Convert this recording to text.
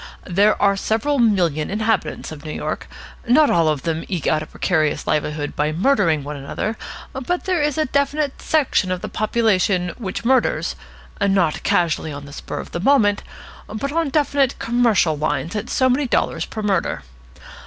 There are several million inhabitants of New York. Not all of them eke out a precarious livelihood by murdering one another, but there is a definite section of the population which murders not casually, on the spur of the moment, but on definitely commercial lines at so many dollars per murder.